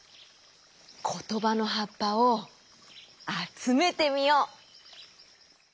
ことばのはっぱをあつめてみよう！